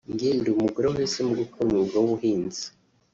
Jye ndi Umugore wahisemo gukora umwuga w’ubuvuzi